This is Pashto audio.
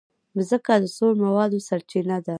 مځکه د سون موادو سرچینه ده.